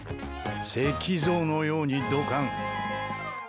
石像のようにどかん。